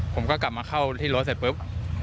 ผมก็กลับมาเข้าที่รถเสร็จปุ๊บ